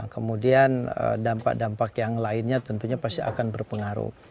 kemudian dampak dampak yang lainnya tentunya pasti akan berpengaruh